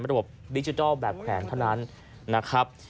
เป็นระบบดิจิดอลแบบแขวนเท่านั้น